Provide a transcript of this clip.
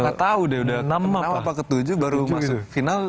gak tau deh udah ke enam apa ke tujuh baru masuk final